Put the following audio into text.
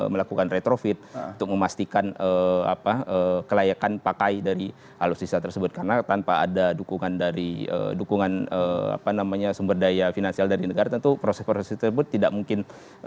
melakukan retrofit untuk memastikan kelayakan pakai dari alutsista tersebut karena tanpa ada dukungan dari dukungan sumber daya finansial dari negara tentu proses proses tersebut tidak mungkin